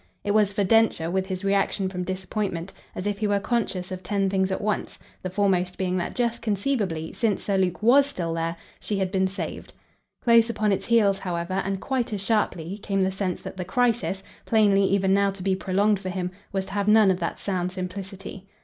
It was for Densher, with his reaction from disappointment, as if he were conscious of ten things at once the foremost being that just conceivably, since Sir Luke WAS still there, she had been saved. Close upon its heels, however, and quite as sharply, came the sense that the crisis plainly even now to be prolonged for him was to have none of that sound simplicity.